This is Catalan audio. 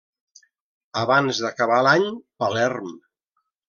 Abans d’acabar l’any, Palerm.